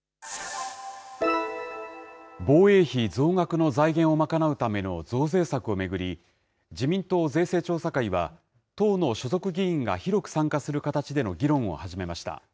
防衛費増額の財源を賄うための増税策を巡り、自民党税制調査会は、党の所属議員が広く参加する形での議論を始めました。